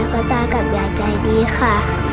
ตากับยายก็ตากับยายใจดีค่ะ